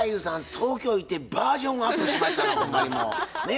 東京行ってバージョンアップしましたなほんまにもうね。